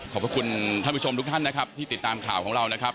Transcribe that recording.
พระคุณท่านผู้ชมทุกท่านนะครับที่ติดตามข่าวของเรานะครับ